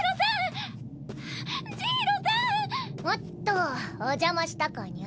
おっとお邪魔したかニャ？